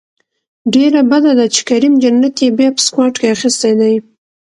ډیره بده ده چې کریم جنت یې بیا په سکواډ کې اخیستی دی